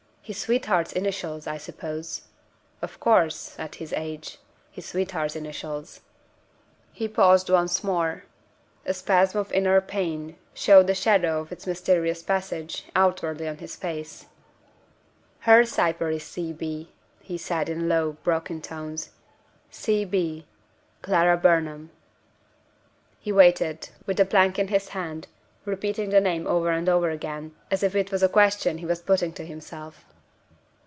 "His sweet heart's initials, I suppose? Of course at his age his sweetheart's initials." He paused once more. A spasm of inner pain showed the shadow of its mysterious passage, outwardly on his face. "Her cipher is C. B.," he said, in low, broken tones. "C. B. Clara Burnham." He waited, with the plank in his hand; repeating the name over and over again, as if it was a question he was putting to himself.